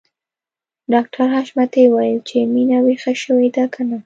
ډاکټر حشمتي وويل چې مينه ويښه شوې ده که نه